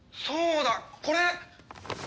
そうだこれ！